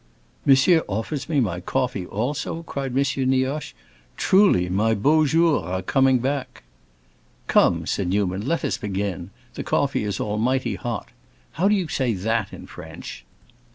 "Monsieur offers me my coffee, also?" cried M. Nioche. "Truly, my beaux jours are coming back." "Come," said Newman, "let us begin. The coffee is almighty hot. How do you say that in French?"